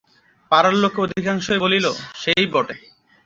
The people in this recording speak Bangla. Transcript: পাড়ার লোকে অধিকাংশই বলিল, সেই বটে।